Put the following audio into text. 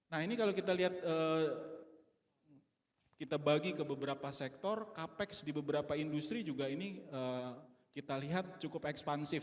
nah ini kalau kita lihat kita bagi ke beberapa sektor capex di beberapa industri juga ini kita lihat cukup ekspansif